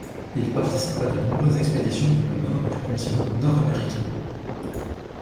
Il participe à de nombreuses expéditions dans le nord du continent nord-américain.